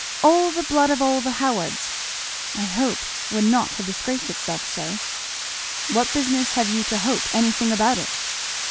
'All the blood of all the Howards,' I hope would not have disgraced itself so." "What business have you to 'hope' anything about it?"